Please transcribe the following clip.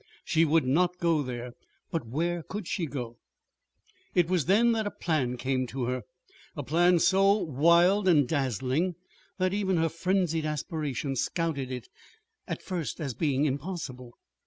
She would not go there. But where could she go? It was then that a plan came to her a plan so wild and dazzling that even her frenzied aspiration scouted it at first as impossible.